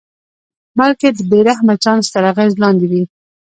بلکې د بې رحمه چانس تر اغېز لاندې وي.